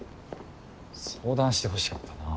相談してほしかったな。